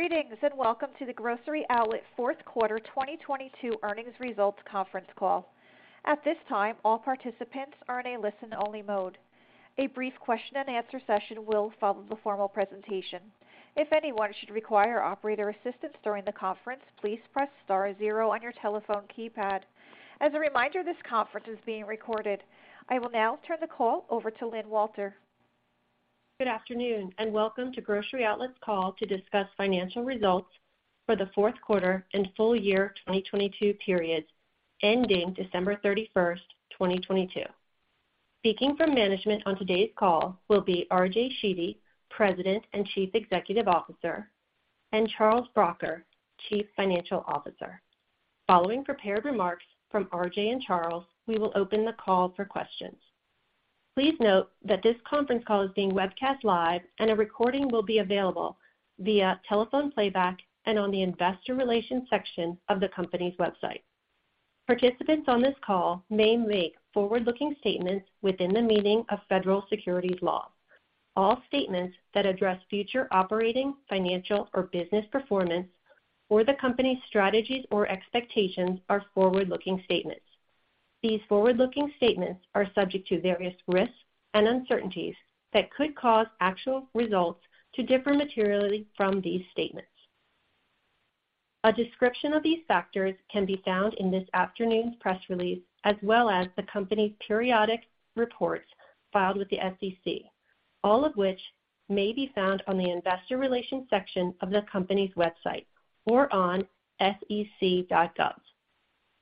Greetings, welcome to the Grocery Outlet Q4 2022 earnings results conference call. At this time, all participants are in a listen-only mode. A brief question and answer session will follow the formal presentation. If anyone should require operator assistance during the conference, please press star zero on your telephone keypad. As a reminder, this conference is being recorded. I will now turn the call over to Lynn Walter. Good afternoon, and welcome to Grocery Outlet's call to discuss financial results for the Q4 and full year 2022 periods ending December 31, 2022. Speaking from management on today's call will be RJ Sheedy, President and Chief Executive Officer, and Charles Bracher, Chief Financial Officer. Following prepared remarks from RJ and Charles, we will open the call for questions. Please note that this conference call is being webcast live, and a recording will be available via telephone playback and on the investor relations section of the company's website. Participants on this call may make forward-looking statements within the meaning of federal securities law. All statements that address future operating, financial, or business performance or the company's strategies or expectations are forward-looking statements. These forward-looking statements are subject to various risks and uncertainties that could cause actual results to differ materially from these statements. A description of these factors can be found in this afternoon's press release, as well as the company's periodic reports filed with the SEC, all of which may be found on the investor relations section of the company's website or on sec.gov.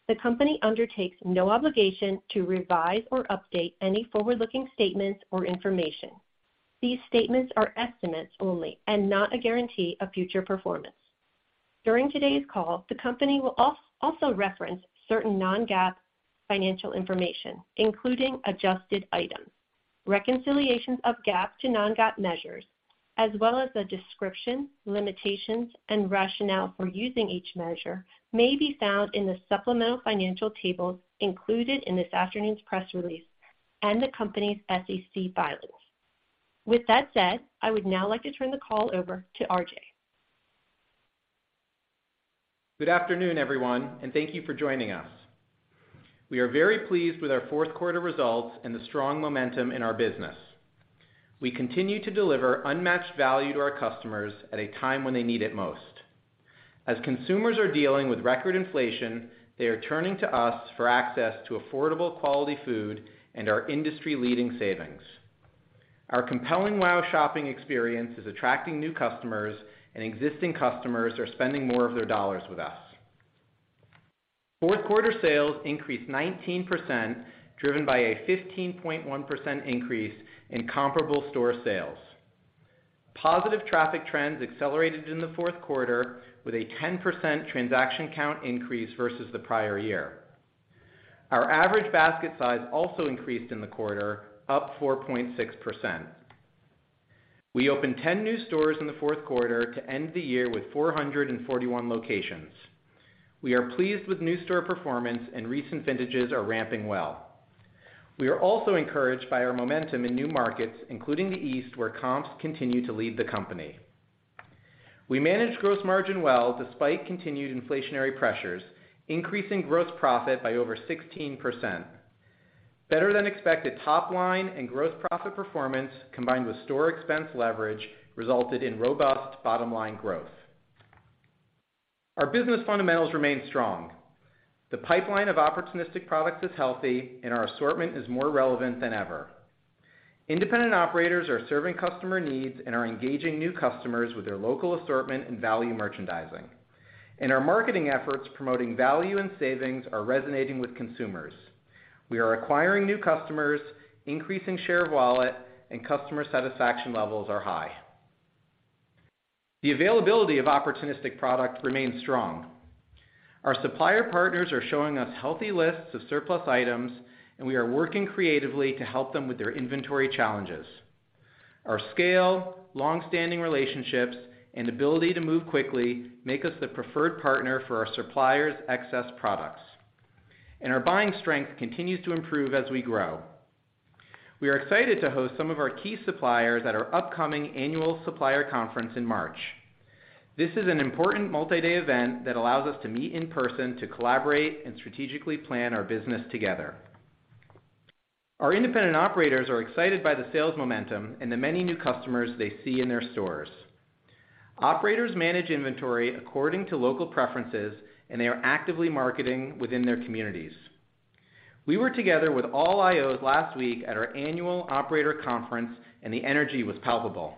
The company undertakes no obligation to revise or update any forward-looking statements or information. These statements are estimates only and not a guarantee of future performance. During today's call, the company will also reference certain non-GAAP financial information, including adjusted items. Reconciliations of GAAP to non-GAAP measures as well as the description, limitations, and rationale for using each measure may be found in the supplemental financial tables included in this afternoon's press release and the company's SEC filings. With that said, I would now like to turn the call over to RJ. Good afternoon, everyone, thank you for joining us. We are very pleased with our Q4 results and the strong momentum in our business. We continue to deliver unmatched value to our customers at a time when they need it most. Consumers are dealing with record inflation, they are turning to us for access to affordable, quality food and our industry-leading savings. Our compelling wow shopping experience is attracting new customers, existing customers are spending more of their dollars with us. Q4 sales increased 19%, driven by a 15.1% increase in comparable store sales. Positive traffic trends accelerated in the Q4 with a 10% transaction count increase versus the prior year. Our average basket size also increased in the quarter, up 4.6%. We opened 10 new stores in the Q4 to end the year with 441 locations. We are pleased with new store performance, and recent vintages are ramping well. We are also encouraged by our momentum in new markets, including the East, where comps continue to lead the company. We managed gross margin well despite continued inflationary pressures, increasing gross profit by over 16%. Better than expected top-line and gross profit performance, combined with store expense leverage, resulted in robust bottom-line growth. Our business fundamentals remain strong. The pipeline of opportunistic products is healthy, and our assortment is more relevant than ever. Independent Operators are serving customer needs and are engaging new customers with their local assortment and value merchandising. Our marketing efforts promoting value and savings are resonating with consumers. We are acquiring new customers, increasing share of wallet, and customer satisfaction levels are high. The availability of opportunistic product remains strong. Our supplier partners are showing us healthy lists of surplus items, and we are working creatively to help them with their inventory challenges. Our scale, long-standing relationships, and ability to move quickly make us the preferred partner for our suppliers' excess products. Our buying strength continues to improve as we grow. We are excited to host some of our key suppliers at our upcoming annual supplier conference in March. This is an important multi-day event that allows us to meet in person to collaborate and strategically plan our business together. Our Independent Operators are excited by the sales momentum and the many new customers they see in their stores. Operators manage inventory according to local preferences, and they are actively marketing within their communities. We were together with all IOs last week at our annual operator conference, and the energy was palpable.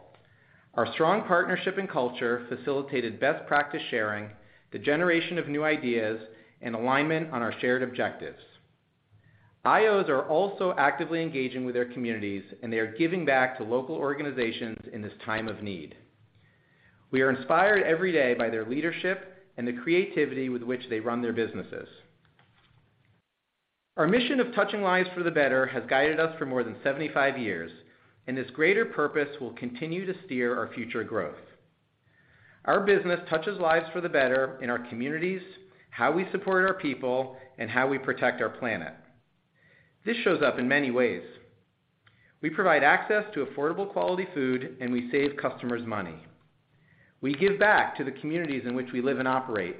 Our strong partnership and culture facilitated best practice sharing, the generation of new ideas, and alignment on our shared objectives. IOs are also actively engaging with their communities, and they are giving back to local organizations in this time of need. We are inspired every day by their leadership and the creativity with which they run their businesses. Our mission of touching lives for the better has guided us for more than 75 years, and this greater purpose will continue to steer our future growth. Our business touches lives for the better in our communities, how we support our people, and how we protect our planet. This shows up in many ways. We provide access to affordable quality food, and we save customers money. We give back to the communities in which we live and operate.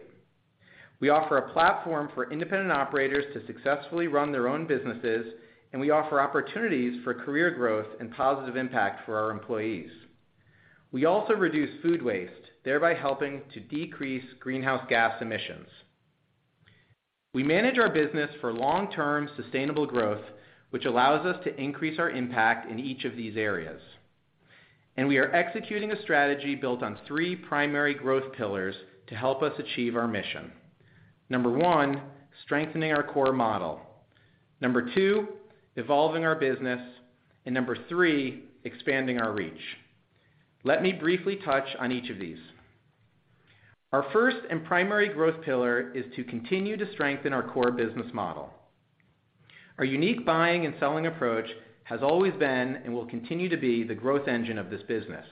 We offer a platform for Independent Operators to successfully run their own businesses, and we offer opportunities for career growth and positive impact for our employees. We also reduce food waste, thereby helping to decrease greenhouse gas emissions. We manage our business for long-term sustainable growth, which allows us to increase our impact in each of these areas. We are executing a strategy built on three primary growth pillars to help us achieve our mission. one, strengthening our core model. two, evolving our business. three, expanding our reach. Let me briefly touch on each of these. Our first and primary growth pillar is to continue to strengthen our core business model. Our unique buying and selling approach has always been and will continue to be the growth engine of this business.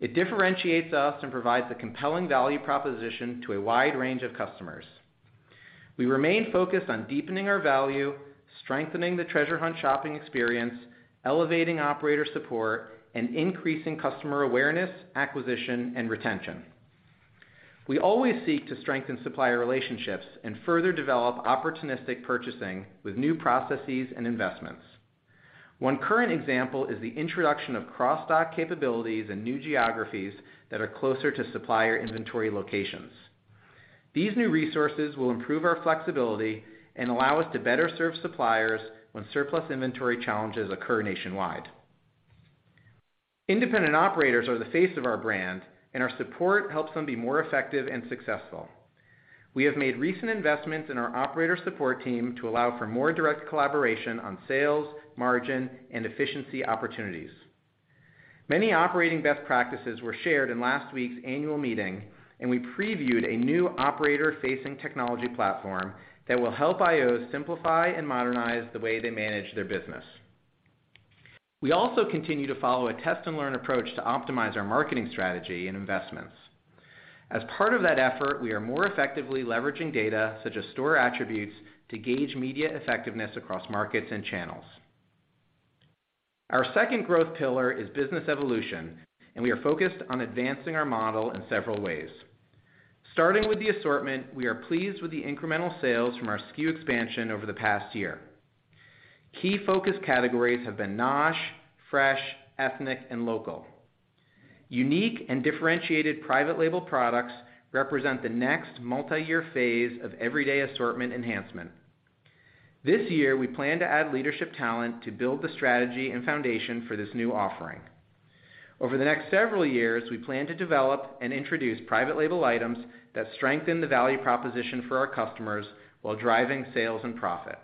It differentiates us and provides a compelling value proposition to a wide range of customers. We remain focused on deepening our value, strengthening the Treasure Hunt shopping experience, elevating operator support, and increasing customer awareness, acquisition, and retention. We always seek to strengthen supplier relationships and further develop opportunistic purchasing with new processes and investments. One current example is the introduction of cross-dock capabilities in new geographies that are closer to supplier inventory locations. These new resources will improve our flexibility and allow us to better serve suppliers when surplus inventory challenges occur nationwide. Independent operators are the face of our brand, and our support helps them be more effective and successful. We have made recent investments in our operator support team to allow for more direct collaboration on sales, margin, and efficiency opportunities. Many operating best practices were shared in last week's annual meeting, and we previewed a new operator-facing technology platform that will help IOs simplify and modernize the way they manage their business. We also continue to follow a test-and-learn approach to optimize our marketing strategy and investments. As part of that effort, we are more effectively leveraging data, such as store attributes, to gauge media effectiveness across markets and channels. Our second growth pillar is business evolution, and we are focused on advancing our model in several ways. Starting with the assortment, we are pleased with the incremental sales from our SKU expansion over the past year. Key focus categories have been NOSH, fresh, ethnic, and local. Unique and differentiated private label products represent the next multi-year phase of everyday assortment enhancement. This year, we plan to add leadership talent to build the strategy and foundation for this new offering. Over the next several years, we plan to develop and introduce private label items that strengthen the value proposition for our customers while driving sales and profit.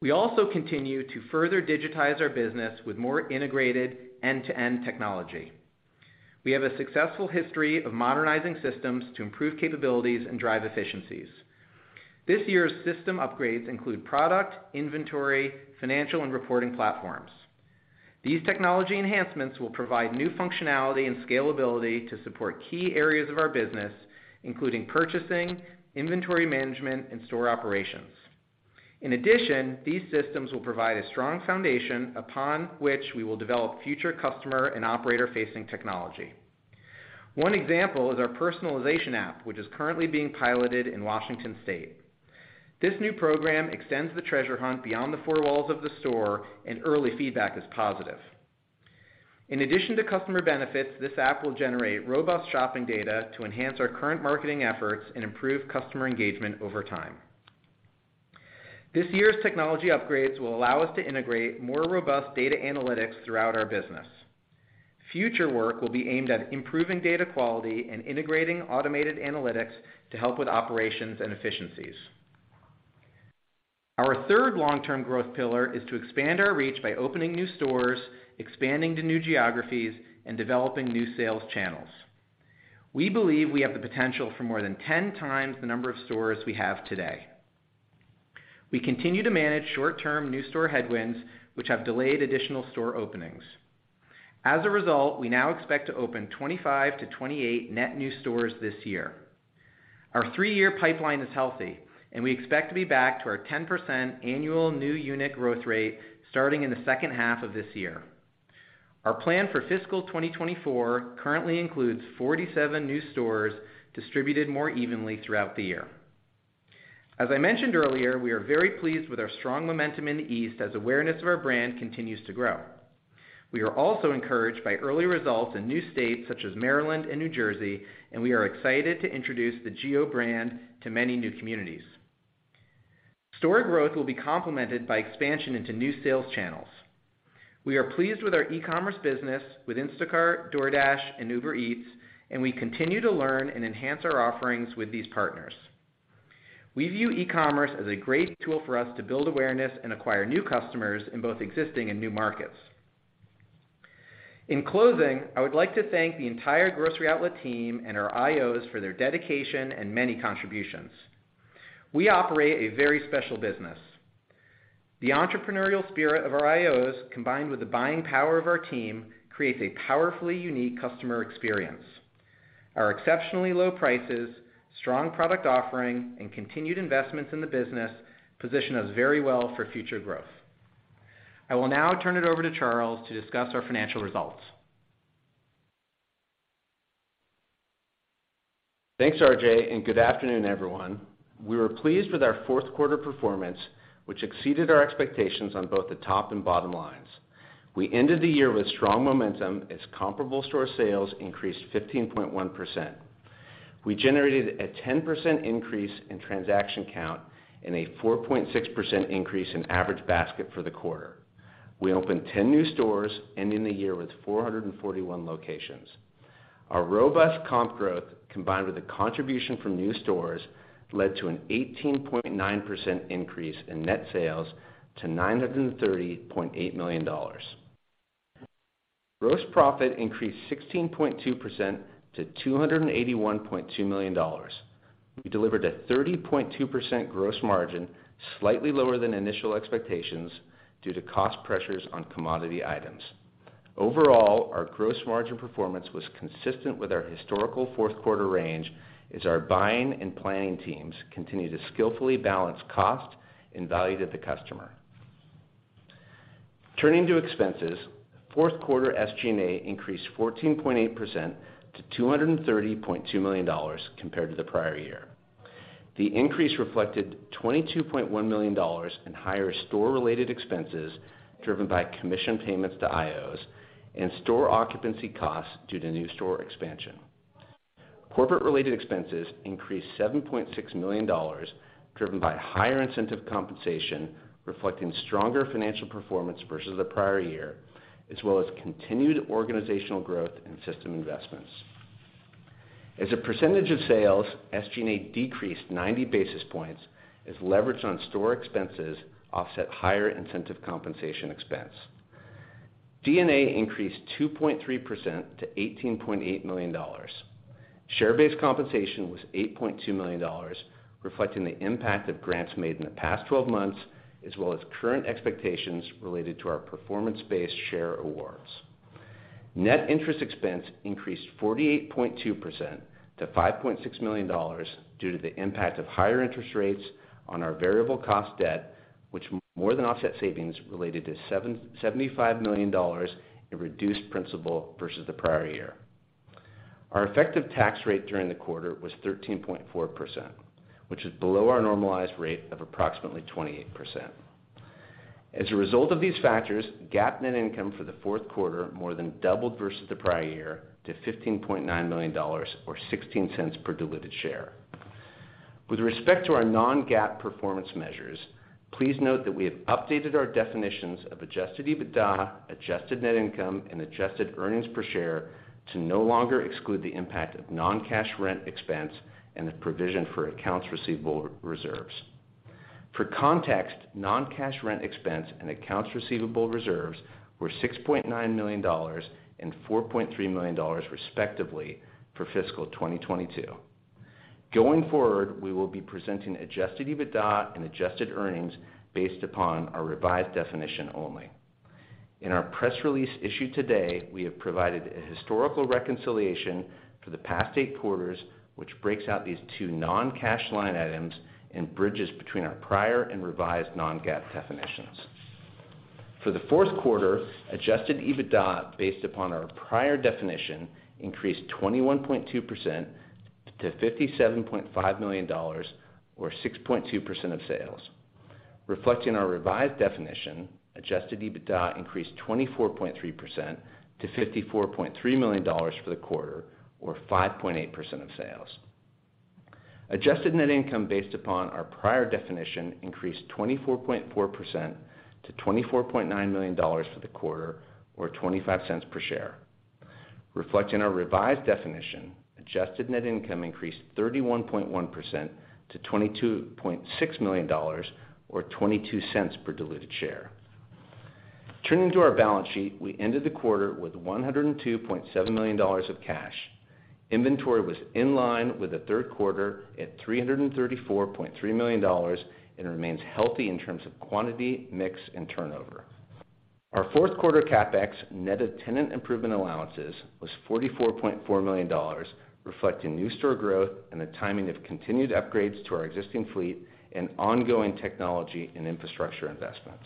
We also continue to further digitize our business with more integrated end-to-end technology. We have a successful history of modernizing systems to improve capabilities and drive efficiencies. This year's system upgrades include product, inventory, financial, and reporting platforms. These technology enhancements will provide new functionality and scalability to support key areas of our business, including purchasing, inventory management, and store operations. In addition, these systems will provide a strong foundation upon which we will develop future customer and operator-facing technology. One example is our personalization app, which is currently being piloted in Washington State. This new program extends the Treasure Hunt beyond the four walls of the store, and early feedback is positive. In addition to customer benefits, this app will generate robust shopping data to enhance our current marketing efforts and improve customer engagement over time. This year's technology upgrades will allow us to integrate more robust data analytics throughout our business. Future work will be aimed at improving data quality and integrating automated analytics to help with operations and efficiencies. Our third long-term growth pillar is to expand our reach by opening new stores, expanding to new geographies, and developing new sales channels. We believe we have the potential for more than 10 times the number of stores we have today. We continue to manage short-term new store headwinds, which have delayed additional store openings. As a result, we now expect to open 25-28 net new stores this year. Our three-year pipeline is healthy. We expect to be back to our 10% annual new unit growth rate starting in the H2 of this year. Our plan for fiscal 2024 currently includes 47 new stores distributed more evenly throughout the year. As I mentioned earlier, we are very pleased with our strong momentum in the East as awareness of our brand continues to grow. We are also encouraged by early results in new states such as Maryland and New Jersey, and we are excited to introduce the GO brand to many new communities. Store growth will be complemented by expansion into new sales channels. We are pleased with our e-commerce business with Instacart, DoorDash, and Uber Eats. We continue to learn and enhance our offerings with these partners. We view e-commerce as a great tool for us to build awareness and acquire new customers in both existing and new markets. In closing, I would like to thank the entire Grocery Outlet team and our IOs for their dedication and many contributions. We operate a very special business. The entrepreneurial spirit of our IOs, combined with the buying power of our team, creates a powerfully unique customer experience. Our exceptionally low prices, strong product offering, and continued investments in the business position us very well for future growth. I will now turn it over to Charles to discuss our financial results. Thanks, RJ. Good afternoon, everyone. We were pleased with our Q4 performance, which exceeded our expectations on both the top and bottom lines. We ended the year with strong momentum as comparable store sales increased 15.1%. We generated a 10% increase in transaction count and a 4.6% increase in average basket for the quarter. We opened 10 new stores, ending the year with 441 locations. Our robust comp growth, combined with the contribution from new stores, led to an 18.9% increase in net sales to $930.8 million. Gross profit increased 16.2% to $281.2 million. We delivered a 30.2% gross margin, slightly lower than initial expectations due to cost pressures on commodity items. Overall, our gross margin performance was consistent with our historical Q4 range as our buying and planning teams continued to skillfully balance cost and value to the customer. Turning to expenses, Q4 SG&A increased 14.8% to $230.2 million compared to the prior year. The increase reflected $22.1 million in higher store-related expenses driven by commission payments to IOs and store occupancy costs due to new store expansion. Corporate related expenses increased $7.6 million, driven by higher incentive compensation, reflecting stronger financial performance versus the prior year, as well as continued organizational growth and system investments. As a percentage of sales, SG&A decreased 90 basis points as leverage on store expenses offset higher incentive compensation expense. G&A increased 2.3% to $18.8 million. Share-based compensation was $8.2 million, reflecting the impact of grants made in the past 12 months, as well as current expectations related to our performance-based share awards. Net interest expense increased 48.2% to $5.6 million due to the impact of higher interest rates on our variable cost debt, which more than offset savings related to $75 million in reduced principal versus the prior year. Our effective tax rate during the quarter was 13.4%, which is below our normalized rate of approximately 28%. As a result of these factors, GAAP net income for the Q4 more than doubled versus the prior year to $15.9 million or $0.16 per diluted share. With respect to our non-GAAP performance measures, please note that we have updated our definitions of adjusted EBITDA, adjusted net income, and adjusted earnings per share to no longer exclude the impact of non-cash rent expense and the provision for Accounts Receivable reserves. For context, non-cash rent expense and Accounts Receivable reserves were $6.9 million and $4.3 million respectively for fiscal 2022. Going forward, we will be presenting adjusted EBITDA and adjusted earnings based upon our revised definition only. In our press release issued today, we have provided a historical reconciliation for the past 8 quarters, which breaks out these two non-cash line items and bridges between our prior and revised non-GAAP definitions. For the Q4, adjusted EBITDA based upon our prior definition increased 21.2% to $57.5 million or 6.2% of sales. Reflecting our revised definition, adjusted EBITDA increased 24.3% to $54.3 million for the quarter or 5.8% of sales. Adjusted net income based upon our prior definition increased 24.4% to $24.9 million for the quarter, or $0.25 per share. Reflecting our revised definition, adjusted net income increased 31.1% to $22.6 million or $0.22 per diluted share. Turning to our balance sheet, we ended the quarter with $102.7 million of cash. Inventory was in line with the Q3 at $334.3 million and remains healthy in terms of quantity, mix, and turnover. Our Q4 CapEx net of tenant improvement allowances was $44.4 million, reflecting new store growth and the timing of continued upgrades to our existing fleet and ongoing technology and infrastructure investments.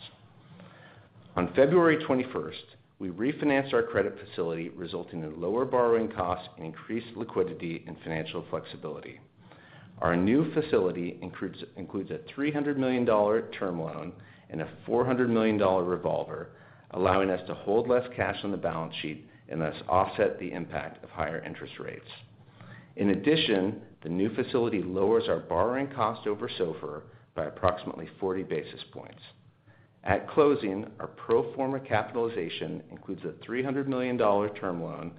On February 21st, we refinanced our credit facility, resulting in lower borrowing costs and increased liquidity and financial flexibility. Our new facility includes a $300 million term loan and a $400 million revolver, allowing us to hold less cash on the balance sheet and thus offset the impact of higher interest rates. In addition, the new facility lowers our borrowing cost over SOFR by approximately 40 basis points. At closing, our pro forma capitalization includes a $300 million term loan,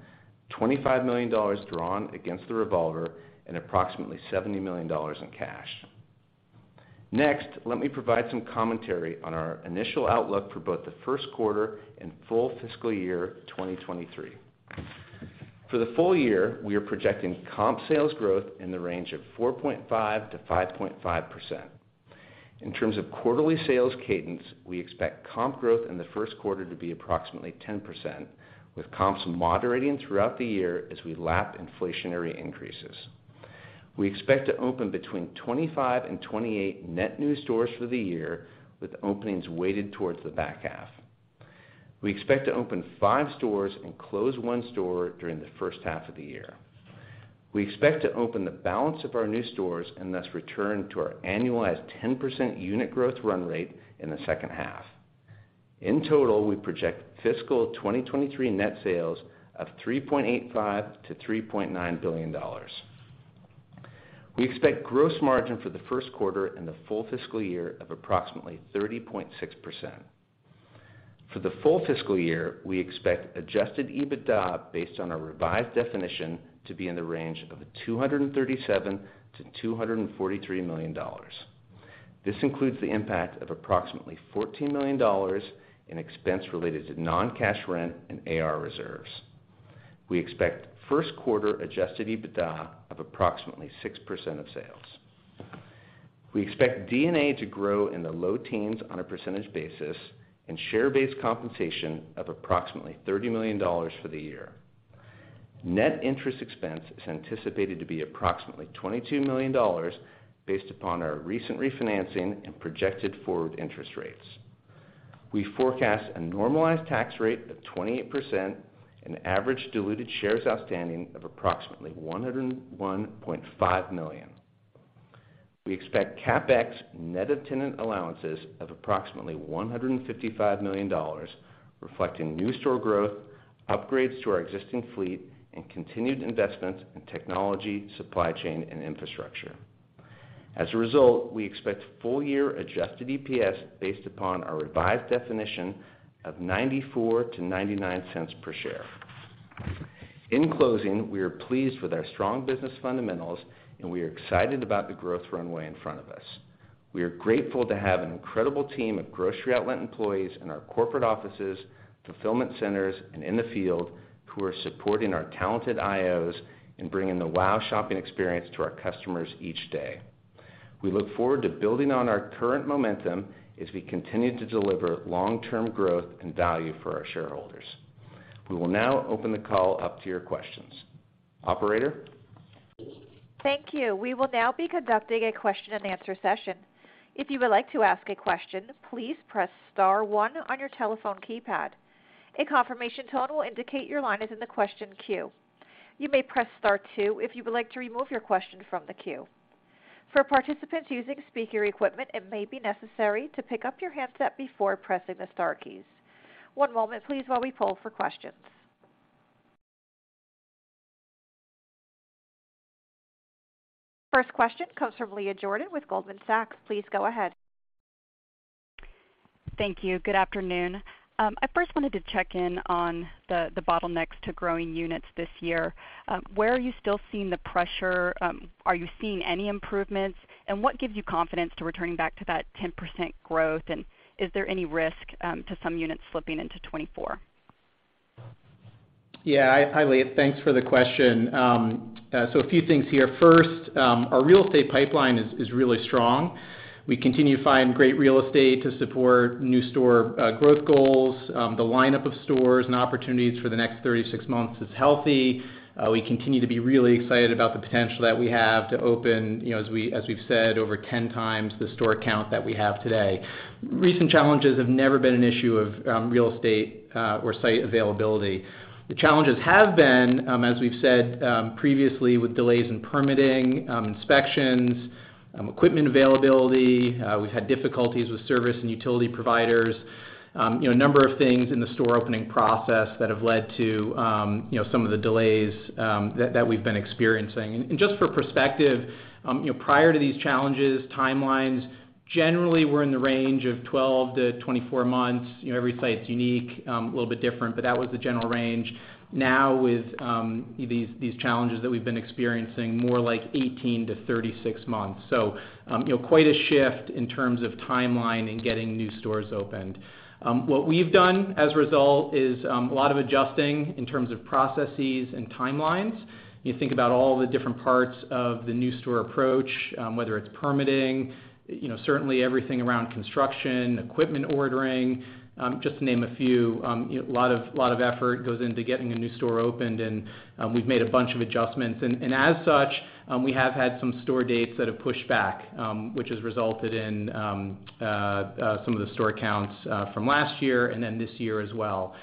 $25 million drawn against the revolver, and approximately $70 million in cash. Next, let me provide some commentary on our initial outlook for both the Q1 and full fiscal year 2023. For the full year, we are projecting comp sales growth in the range of 4.5%-5.5%. In terms of quarterly sales cadence, we expect comp growth in the Q1 to be approximately 10%, with comps moderating throughout the year as we lap inflationary increases. We expect to open between 25 and 28 net new stores for the year, with openings weighted towards the back half. We expect to open 5 stores and close 1 store during the H1 of the year. We expect to open the balance of our new stores and thus return to our annualized 10% unit growth run rate in the H2. In total, we project fiscal 2023 net sales of $3.85 billion-$3.9 billion. We expect gross margin for the Q1 and the full fiscal year of approximately 30.6%. For the full fiscal year, we expect adjusted EBITDA based on our revised definition to be in the range of $237 million-$243 million. This includes the impact of approximately $14 million in expense related to non-cash rent and AR reserves. We expect Q1 adjusted EBITDA of approximately 6% of sales. We expect D&A to grow in the low teens on a percentage basis and share-based compensation of approximately $30 million for the year. Net interest expense is anticipated to be approximately $22 million based upon our recent refinancing and projected forward interest rates. We forecast a normalized tax rate of 28% and average diluted shares outstanding of approximately 101.5 million. We expect CapEx net of tenant allowances of approximately $155 million, reflecting new store growth, upgrades to our existing fleet and continued investment in technology, supply chain and infrastructure. As a result, we expect full year adjusted EPS based upon our revised definition of $0.94-$0.99 per share. In closing, we are pleased with our strong business fundamentals and we are excited about the growth runway in front of us. We are grateful to have an incredible team of Grocery Outlet employees in our corporate offices, fulfillment centers and in the field who are supporting our talented IOs in bringing the wow shopping experience to our customers each day. We look forward to building on our current momentum as we continue to deliver long-term growth and value for our shareholders. We will now open the call up to your questions. Operator? Thank you. We will now be conducting a question and answer session. If you would like to ask a question, please press star one on your telephone keypad. A confirmation tone will indicate your line is in the question queue. You may press star two if you would like to remove your question from the queue. For participants using speaker equipment, it may be necessary to pick up your handset before pressing the star keys. One moment please while we poll for questions. First question comes from Leah Jordan with Goldman Sachs. Please go ahead. Thank you. Good afternoon. I first wanted to check in on the bottlenecks to growing units this year. Where are you still seeing the pressure? Are you seeing any improvements? What gives you confidence to returning back to that 10% growth? Is there any risk, to some units slipping into 2024? Yeah. Hi, Leah. Thanks for the question. A few things here. First, our real estate pipeline is really strong. We continue to find great real estate to support new store growth goals. The lineup of stores and opportunities for the next 36 months is healthy. We continue to be really excited about the potential that we have to open, you know, as we've said, over 10 times the store count that we have today. Recent challenges have never been an issue of real estate or site availability. The challenges have been, as we've said, previously with delays in permitting, inspections, equipment availability. We've had difficulties with service and utility providers, you know, a number of things in the store opening process that have led to, you know, some of the delays that we've been experiencing. Just for perspective, you know, prior to these challenges, timelines generally were in the range of 12-24 months. You know, every site's unique, a little bit different, but that was the general range. Now with these challenges that we've been experiencing more like 18-36 months. You know, quite a shift in terms of timeline in getting new stores opened. What we've done as a result is a lot of adjusting in terms of processes and timelines. You think about all the different parts of the new store approach, whether it's permitting, you know, certainly everything around construction, equipment ordering, just to name a few. You know, a lot of effort goes into getting a new store opened, and we've made a bunch of adjustments. As such, we have had some store dates that have pushed back, which has resulted in some of the store counts from last year and then this year as well.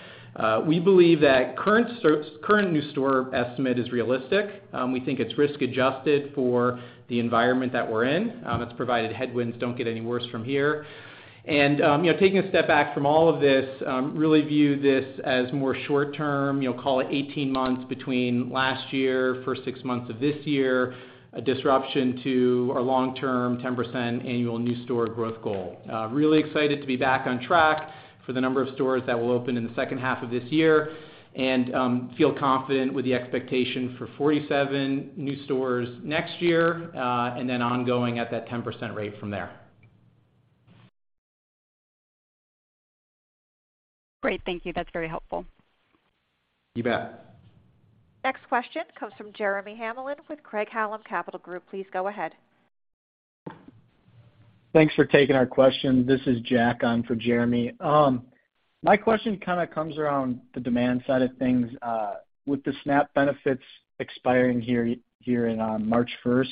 We believe that current new store estimate is realistic. We think it's risk adjusted for the environment that we're in, it's provided headwinds don't get any worse from here. You know, taking a step back from all of this, really view this as more short term, you know, call it 18 months between last year, first six months of this year, a disruption to our long-term 10% annual new store growth goal. Really excited to be back on track for the number of stores that will open in the H2 of this year and feel confident with the expectation for 47 new stores next year and then ongoing at that 10% rate from there. Great. Thank you. That's very helpful. You bet. Next question comes from Jeremy Hamblin with Craig-Hallum Capital Group. Please go ahead. Thanks for taking our question. This is Jack on for Jeremy. My question kind of comes around the demand side of things. With the SNAP benefits expiring here on March 1st,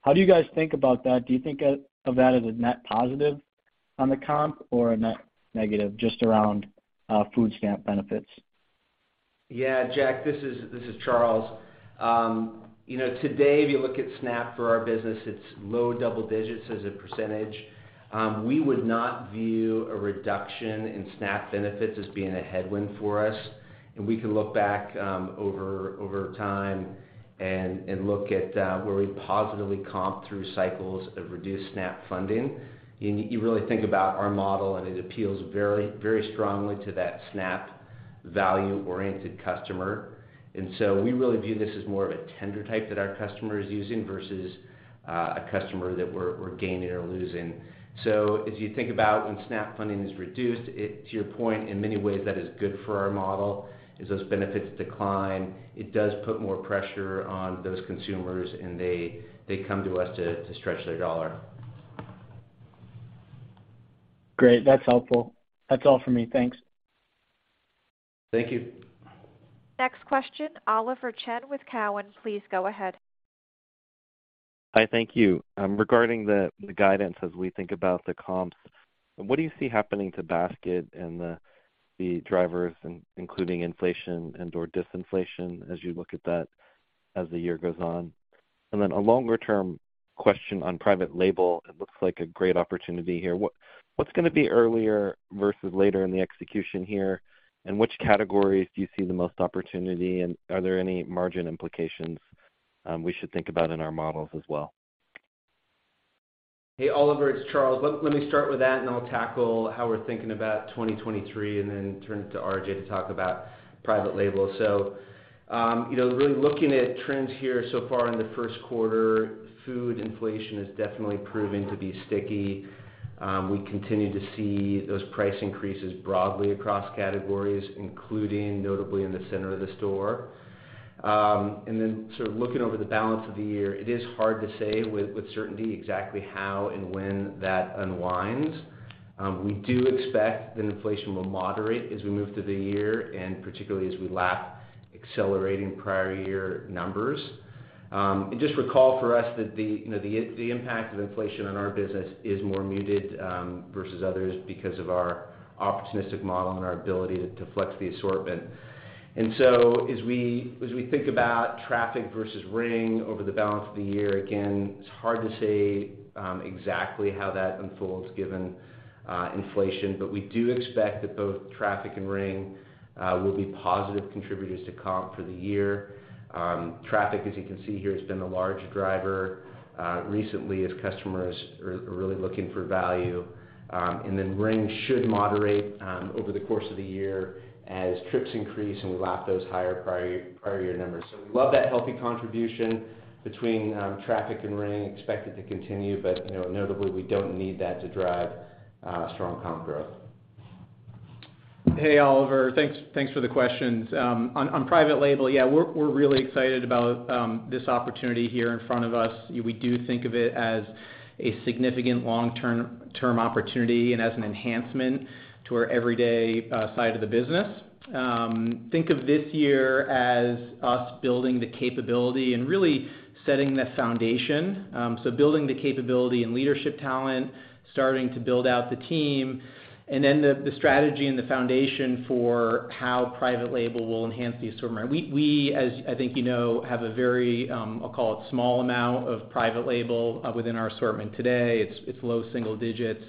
how do you guys think about that? Do you think of that as a net positive on the comp or a net negative just around food stamp benefits? Yeah, Jack, this is Charles. You know, today, if you look at SNAP for our business, it's low double digits as a %. We would not view a reduction in SNAP benefits as being a headwind for us. We can look back over time and look at where we positively comp through cycles of reduced SNAP funding. You really think about our model, and it appeals very, very strongly to that SNAP value-oriented customer. We really view this as more of a tender type that our customer is using versus a customer that we're gaining or losing. As you think about when SNAP funding is reduced, to your point, in many ways that is good for our model. As those benefits decline, it does put more pressure on those consumers, and they come to us to stretch their dollar. Great. That's helpful. That's all for me. Thanks. Thank you. Next question, Oliver Chen with Cowen. Please go ahead. Hi. Thank you. Regarding the guidance as we think about the comps, what do you see happening to basket and the drivers including inflation and/or disinflation as you look at that as the year goes on? Then a longer term question on private label, it looks like a great opportunity here. What's gonna be earlier versus later in the execution here? Which categories do you see the most opportunity, and are there any margin implications, we should think about in our models as well? Hey, Oliver, it's Charles. Let me start with that, and I'll tackle how we're thinking about 2023 and then turn it to RJ to talk about private label. You know, really looking at trends here so far in the 1st quarter, food inflation has definitely proven to be sticky. We continue to see those price increases broadly across categories, including notably in the center of the store. Sort of looking over the balance of the year, it is hard to say with certainty exactly how and when that unwinds. We do expect that inflation will moderate as we move through the year and particularly as we lap accelerating prior year numbers. Just recall for us that the impact of inflation on our business is more muted versus others because of our opportunistic model and our ability to flex the assortment. As we think about traffic versus ring over the balance of the year, again, it's hard to say exactly how that unfolds given inflation. We do expect that both traffic and ring will be positive contributors to comp for the year. Traffic, as you can see here, has been the large driver recently as customers are really looking for value. Ring should moderate over the course of the year as trips increase and we lap those higher prior year numbers. We love that healthy contribution between traffic and ring expected to continue. You know, notably, we don't need that to drive strong comp growth. Hey, Oliver. Thanks for the questions. On private label, yeah, we're really excited about this opportunity here in front of us. We do think of it as a significant long-term opportunity and as an enhancement to our everyday side of the business. Think of this year as us building the capability and really setting the foundation. Building the capability and leadership talent, starting to build out the team, and then the strategy and the foundation for how private label will enhance the assortment. We, as I think you know, have a very, I'll call it, small amount of private label within our assortment today. It's low single digits.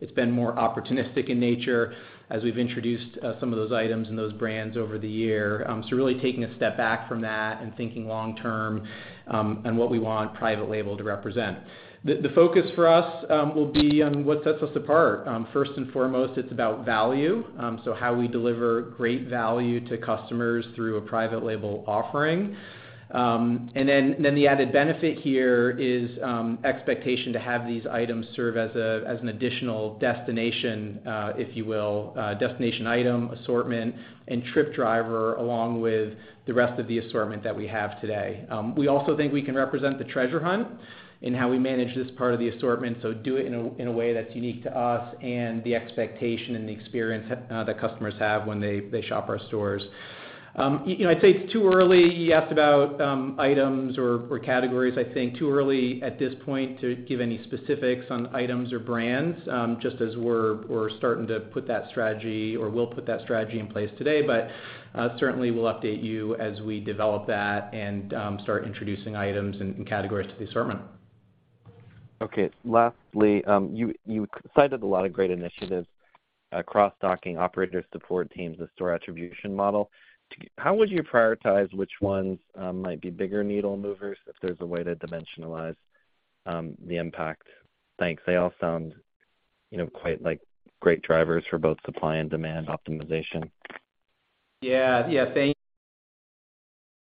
It's been more opportunistic in nature as we've introduced some of those items and those brands over the year. Really taking a step back from that and thinking long term on what we want private label to represent. The focus for us will be on what sets us apart. First and foremost, it's about value, so how we deliver great value to customers through a private label offering. Then the added benefit here is expectation to have these items serve as an additional destination, if you will, destination item, assortment, and trip driver, along with the rest of the assortment that we have today. We also think we can represent the Treasure Hunt in how we manage this part of the assortment, so do it in a way that's unique to us and the expectation and the experience that customers have when they shop our stores. You know, I'd say it's too early. You asked about items or categories. I think too early at this point to give any specifics on items or brands, just as we're starting to put that strategy or will put that strategy in place today. Certainly we'll update you as we develop that and start introducing items and categories to the assortment. Lastly, you cited a lot of great initiatives, cross-docking, operator support teams, the store attribution model. How would you prioritize which ones might be bigger needle movers if there's a way to dimensionalize the impact? Thanks. They all sound, you know, quite like great drivers for both supply and demand optimization. yeah. Thank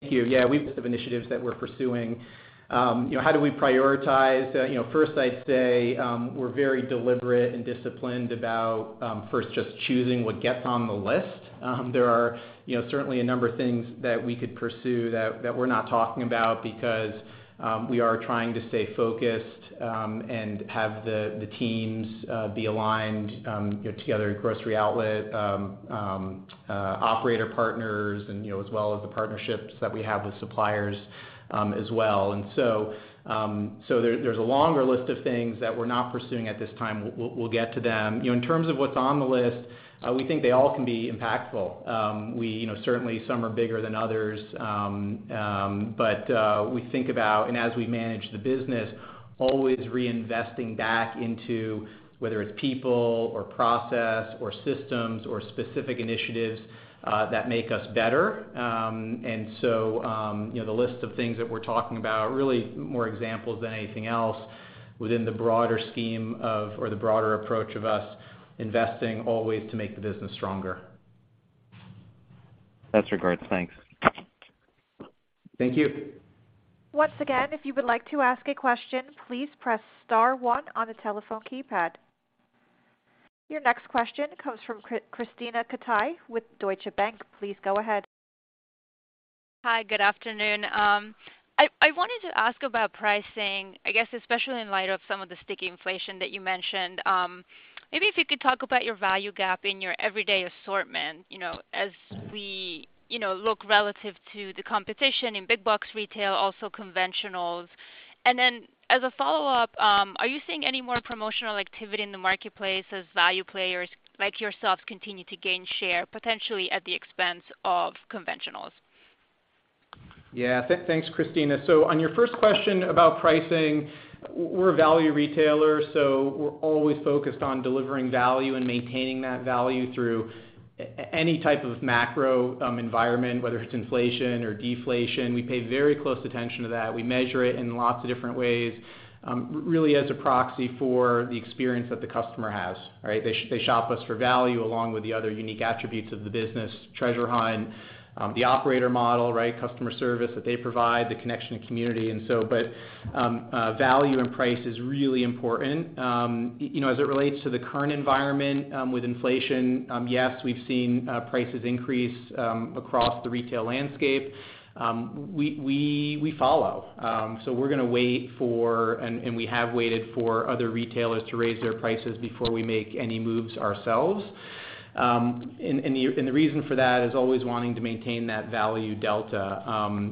you. Yeah, we have initiatives that we're pursuing. You know, how do we prioritize? You know, first, I'd say, we're very deliberate and disciplined about, first just choosing what gets on the list. There are, you know, certainly a number of things that we could pursue that we're not talking about because, we are trying to stay focused, and have the teams be aligned, together in Grocery Outlet, operator partners and, you know, as well as the partnerships that we have with suppliers, as well. So there's a longer list of things that we're not pursuing at this time. We'll get to them. You know, in terms of what's on the list, we think they all can be impactful. We, you know, certainly some are bigger than others, but as we manage the business, always reinvesting back into whether it's people or process or systems or specific initiatives that make us better. You know, the list of things that we're talking about are really more examples than anything else within the broader scheme of, or the broader approach of us investing always to make the business stronger. Best regards. Thanks. Thank you. Once again, if you would like to ask a question, please press star one on the telephone keypad. Your next question comes from Krisztina Katai with Deutsche Bank. Please go ahead. Hi, good afternoon. I wanted to ask about pricing, I guess, especially in light of some of the sticky inflation that you mentioned. maybe if you could talk about your value gap in your everyday assortment, you know, as we, you know, look relative to the competition in big box retail, also conventionals. As a follow-up, are you seeing any more promotional activity in the marketplace as value players like yourself continue to gain share, potentially at the expense of conventionals? Yeah. Thanks, Krisztina. On your first question about pricing, we're a value retailer, we're always focused on delivering value and maintaining that value through any type of macro environment, whether it's inflation or deflation. We pay very close attention to that. We measure it in lots of different ways, really as a proxy for the experience that the customer has, right? They shop us for value along with the other unique attributes of the business, Treasure Hunt, the operator model, right, customer service that they provide, the connection to community. Value and price is really important. You know, as it relates to the current environment, with inflation, yes, we've seen prices increase across the retail landscape. We follow. We're gonna wait for and we have waited for other retailers to raise their prices before we make any moves ourselves. The reason for that is always wanting to maintain that value delta.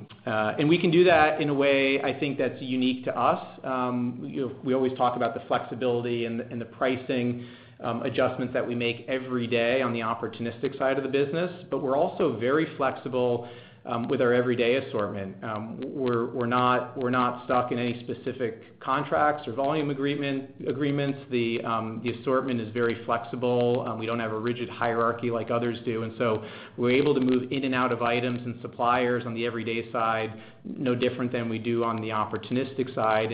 We can do that in a way I think that's unique to us. We always talk about the flexibility and the pricing adjustments that we make every day on the opportunistic side of the business, but we're also very flexible with our everyday assortment. We're not stuck in any specific contracts or volume agreements. The assortment is very flexible. We don't have a rigid hierarchy like others do. We're able to move in and out of items and suppliers on the everyday side, no different than we do on the opportunistic side.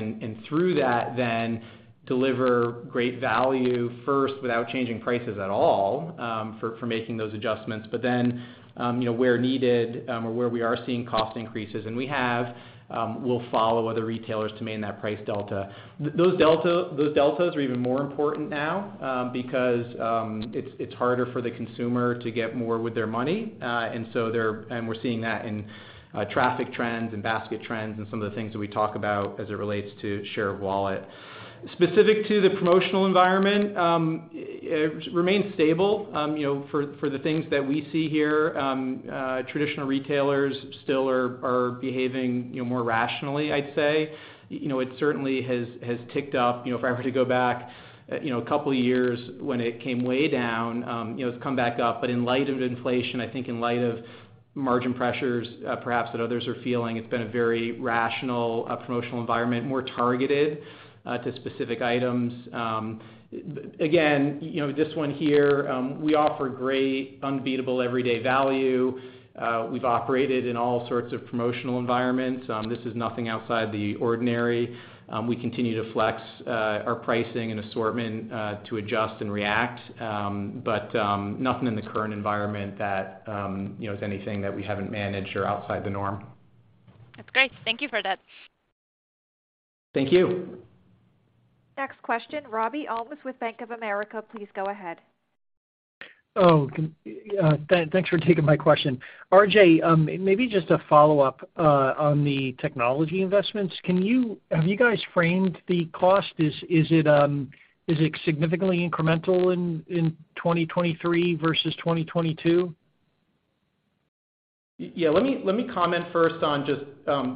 Through that then deliver great value first without changing prices at all, for making those adjustments. You know, where needed, or where we are seeing cost increases, and we have, we'll follow other retailers to maintain that price delta. Those delta, those deltas are even more important now, because, it's harder for the consumer to get more with their money. We're seeing that in traffic trends and basket trends and some of the things that we talk about as it relates to share of wallet. Specific to the promotional environment, it remains stable. You know, for the things that we see here, traditional retailers still are behaving, you know, more rationally, I'd say. You know, it certainly has ticked up. You know, if I were to go back, you know, a couple of years when it came way down, you know, it's come back up. In light of inflation, I think in light of margin pressures, perhaps that others are feeling, it's been a very rational promotional environment, more targeted to specific items. Again, you know, this one here, we offer great unbeatable everyday value. We've operated in all sorts of promotional environments. This is nothing outside the ordinary. We continue to flex our pricing and assortment to adjust and react. Nothing in the current environment that, you know, is anything that we haven't managed or outside the norm. That's great. Thank you for that. Thank you. Next question, Robert Ohmes with Bank of America. Please go ahead. Thanks for taking my question. RJ, maybe just a follow-up on the technology investments. Have you guys framed the cost? Is it, is it significantly incremental in 2023 versus 2022? Yeah. Let me comment first on just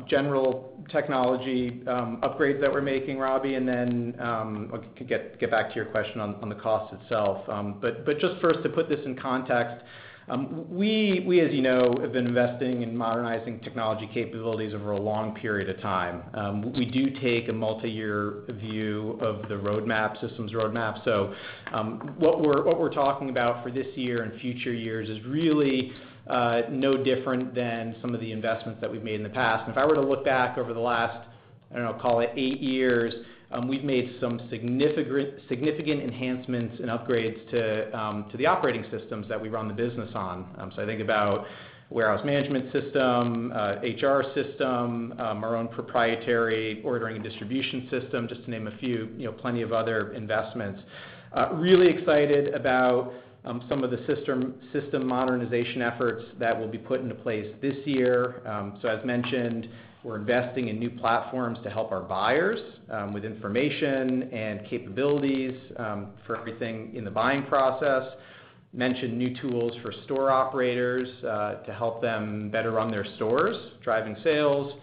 general technology upgrades that we're making, Robert Ohmes, and then I could get back to your question on the cost itself. But just first, to put this in context, we, as you know, have been investing in modernizing technology capabilities over a long period of time. We do take a multiyear view of the roadmap, systems roadmap. What we're talking about for this year and future years is really no different than some of the investments that we've made in the past. If I were to look back over the last I don't know, call it eight years, we've made some significant enhancements and upgrades to the operating systems that we run the business on. I think about warehouse management system, HR system, our own proprietary ordering and distribution system, just to name a few, you know, plenty of other investments. Really excited about some of the system modernization efforts that will be put into place this year. As mentioned, we're investing in new platforms to help our buyers with information and capabilities for everything in the buying process. Mentioned new tools for store operators to help them better run their stores, driving sales,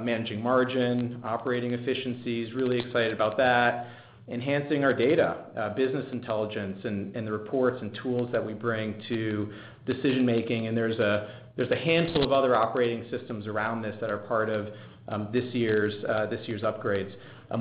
managing margin, operating efficiencies. Really excited about that. Enhancing our data, business intelligence and the reports and tools that we bring to decision-making. There's a handful of other operating systems around this that are part of this year's upgrades.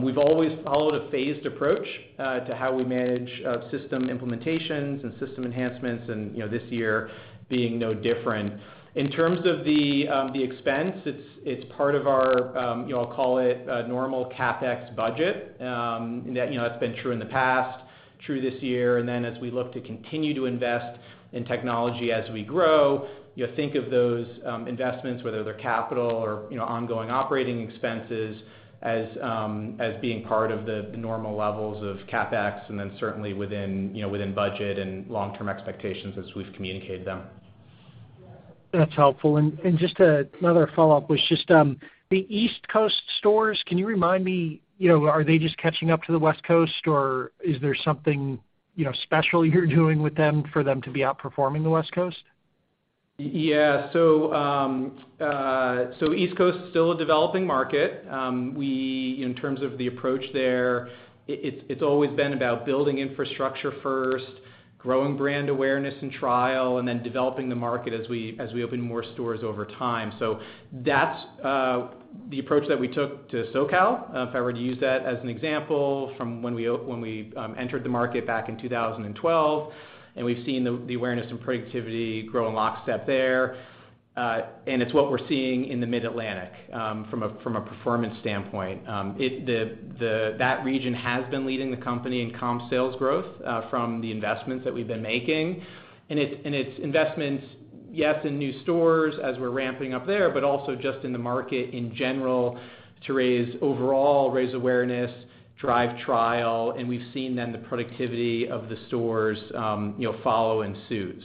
We've always followed a phased approach to how we manage system implementations and system enhancements and, you know, this year being no different. In terms of the expense, it's part of our, you know, I'll call it normal CapEx budget. That, you know, that's been true in the past, true this year, and then as we look to continue to invest in technology as we grow, you think of those investments, whether they're capital or, you know, ongoing operating expenses, as being part of the normal levels of CapEx, and then certainly within, you know, within budget and long-term expectations as we've communicated them. That's helpful. Just another follow-up was the East Coast stores, can you remind me, you know, are they just catching up to the West Coast, or is there something, you know, special you're doing with them for them to be outperforming the West Coast? East Coast is still a developing market. In terms of the approach there, it's always been about building infrastructure first, growing brand awareness and trial, and then developing the market as we open more stores over time. That's the approach that we took to SoCal, if I were to use that as an example from when we entered the market back in 2012, and we've seen the awareness and productivity grow in lockstep there. And it's what we're seeing in the Mid-Atlantic from a performance standpoint. That region has been leading the company in comp sales growth from the investments that we've been making. It's investments, yes, in new stores as we're ramping up there, but also just in the market in general to raise overall, raise awareness, drive trial, and we've seen then the productivity of the stores, you know, follow in suit.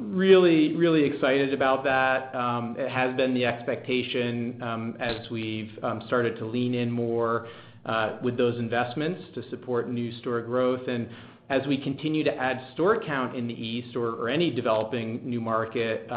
Really, really excited about that. It has been the expectation, as we've started to lean in more, with those investments to support new store growth. As we continue to add store count in the East or any developing new market,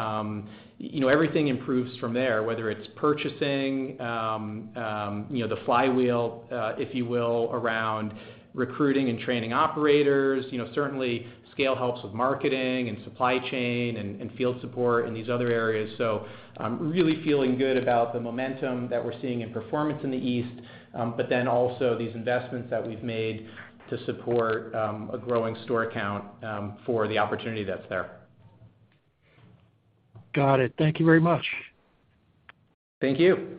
you know, everything improves from there, whether it's purchasing, you know, the flywheel, if you will, around recruiting and training operators. You know, certainly scale helps with marketing and supply chain and field support and these other areas. Really feeling good about the momentum that we're seeing in performance in the East, but then also these investments that we've made to support a growing store count for the opportunity that's there. Got it. Thank you very much. Thank you.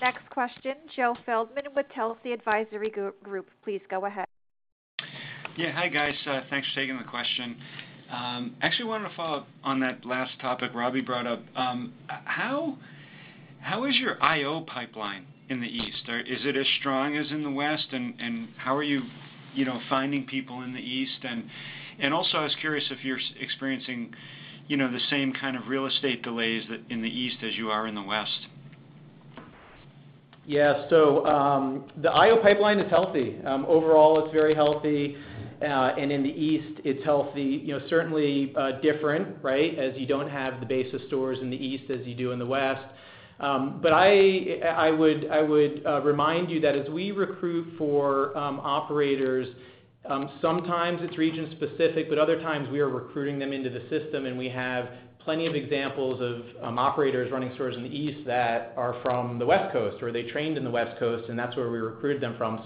Next question, Joseph Feldman with Telsey Advisory Group. Please go ahead. Yeah. Hi, guys. Thanks for taking the question. Actually wanted to follow up on that last topic Robby brought up. How is your IO pipeline in the East? Is it as strong as in the West? How are you know, finding people in the East? Also I was curious if you're experiencing, you know, the same kind of real estate delays that in the East as you are in the West. Yeah. The IO pipeline is healthy. Overall it's very healthy. In the East, it's healthy. You know, certainly, different, right? As you don't have the base of stores in the East as you do in the West. I would, I would remind you that as we recruit for operators, sometimes it's region specific, but other times we are recruiting them into the system, and we have plenty of examples of operators running stores in the East that are from the West Coast, or they trained in the West Coast, and that's where we recruited them from.